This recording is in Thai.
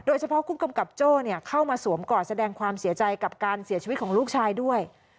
โดยเฉพาะคุณกำกับโจ้เนี่ยเข้ามาสวมก่อแสดงความเสียใจกับการเสียชีวิตของลูกชายด้วย